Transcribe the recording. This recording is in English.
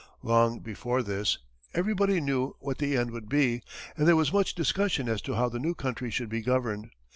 Long before this, everybody knew what the end would be, and there was much discussion as to how the new country should be governed.